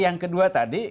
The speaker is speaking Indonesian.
yang kedua tadi